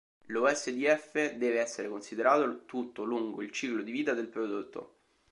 Lo SdF deve essere considerato tutto lungo il ciclo di vita del prodotto.